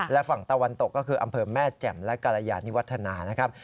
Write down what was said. และฝั่งตะวันตกก็คืออำเภอแม่แจ่มและกรยานิวัฒนานะครับ